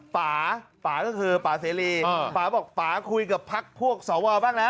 ป่าป่าก็คือป่าเสรีป่าบอกป่าคุยกับพักพวกสวบ้างแล้ว